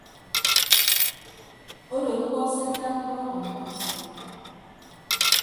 Odo mkpọ se ndad mbọọk ọmmọ ọsọñ.